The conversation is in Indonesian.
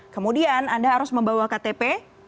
kemudian anda harus membawa ktp